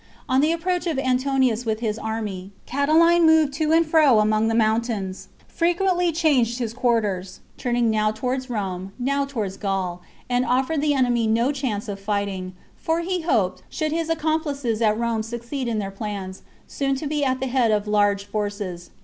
On the approach of Antonius with his army, Catiline moved to and fro among the mountains, frequently changed his quarters, turning now towards Rome, now towards Gaul, and offered the enemy no chance of fighting ; for he hoped, should his accomplices at Rome succeed in their plans, soon to be at the head _ of large forces.